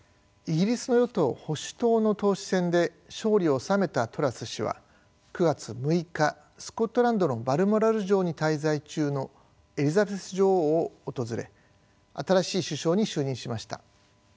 イギリスの与党・保守党の党首選で勝利を収めたトラス氏は９月６日スコットランドのバルモラル城に滞在中のエリザベス女王を訪れ新しい首相に就任しました。